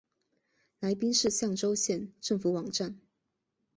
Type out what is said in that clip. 来宾市象州县政府网站